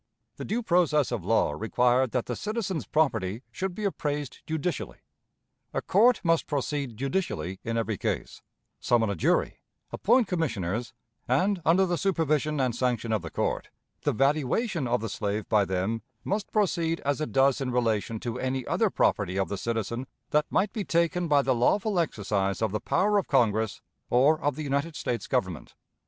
The due process of law required that the citizen's property should be appraised judicially. A court must proceed judicially in every case, summon a jury, appoint commissioners, and, under the supervision and sanction of the court, the valuation of the slave by them must proceed as it does in relation to any other property of the citizen that might be taken by the lawful exercise of the power of Congress or of the United States Government.